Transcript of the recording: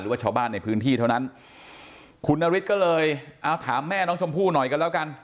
ว่าชาวบ้านในพื้นที่เท่านั้นคุณนฤทธิ์ก็เลยเอาถามแม่น้องชมพู่หน่อยกันแล้วกัน